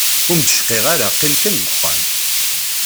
Ur m-d-icqi ara, qqim kan deg uxxam.